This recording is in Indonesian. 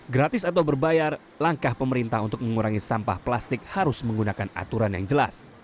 gratis atau berbayar langkah pemerintah untuk mengurangi sampah plastik harus menggunakan aturan yang jelas